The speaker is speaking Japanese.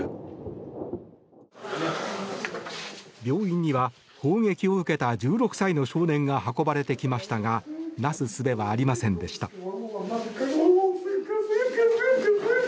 病院には砲撃を受けた１６歳の少年が運ばれてきましたがなすすべはありませんでした。